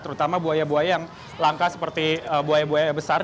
terutama buaya buaya yang langka seperti buaya buaya besar